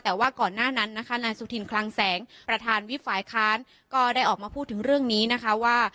แต่ว่าก่อนหน้านั้นนะคะนายสุธินคลังแสงประธานวิบฝ่ายค้านก็ได้ออกมาพูดถึงเรื่องนี้นะคะว่า